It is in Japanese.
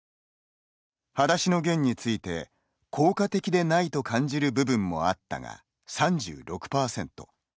「はだしのゲン」について効果的でないと感じる部分もあったが３６％